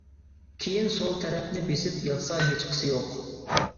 كېيىن سول تەرەپنى بېسىپ ياتسا ھېچقىسى يوق.